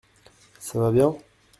Ça va bien ?